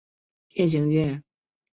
锦水河站为地下二层岛式站台车站。